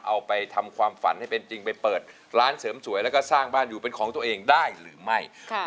เอาไปทำความฝันให้เป็นจริงไปเปิดร้านเสริมสวยแล้วก็สร้างบ้านอยู่เป็นของตัวเองได้หรือไม่